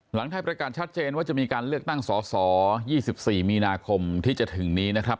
หลังไทยประกาศชัดเจนว่าจะมีการเลือกตั้งสอสอ๒๔มีนาคมที่จะถึงนี้นะครับ